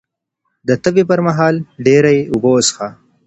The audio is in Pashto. د تبې پر مهال ډېرې اوبه وڅښه